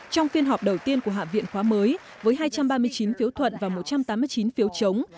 trong phiên họp đầu tiên của hạ viện khóa mới với hai trăm ba mươi chín phiếu thuận và một trăm tám mươi chín phiếu chống